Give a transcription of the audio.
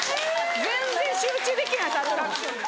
全然集中できないんですアトラクションに。